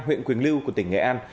huyện quỳnh lưu của tỉnh nghệ an